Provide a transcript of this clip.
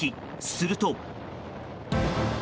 すると。